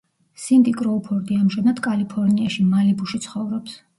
სინდი კროუფორდი ამჟამად კალიფორნიაში, მალიბუში ცხოვრობს.